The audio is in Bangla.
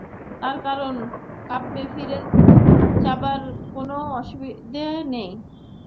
তার কারণ, কাব্যে ফিরে চাবার কোনো অসুবিধে নেই।